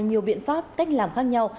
nhiều biện pháp cách làm khác nhau